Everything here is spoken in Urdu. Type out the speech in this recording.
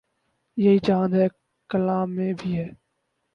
یہی چاند ہے کلاں میں بھی ہے